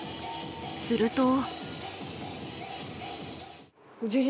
すると。